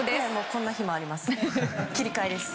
こんな日もあります。